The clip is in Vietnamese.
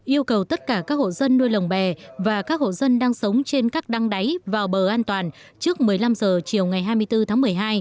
yêu cầu tất cả các hộ dân nuôi lồng bè và các hộ dân đang sống trên các đăng đáy vào bờ an toàn trước một mươi năm h chiều ngày hai mươi bốn tháng một mươi hai